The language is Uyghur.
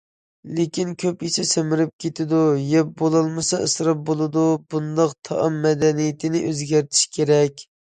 لېكىن، كۆپ يېسە سەمرىپ كېتىدۇ، يەپ بولالمىسا ئىسراپ بولىدۇ، بۇنداق تائام مەدەنىيىتىنى ئۆزگەرتىش كېرەك.